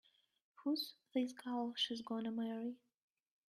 Who's this gal she's gonna marry?